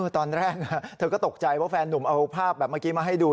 ตอนแรกเธอก็ตกใจว่าแฟนนุ่มเอาภาพมาให้ดู